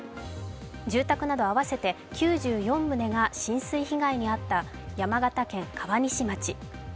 住宅など合わせて９４棟が浸水被害に遭った山形県川西町。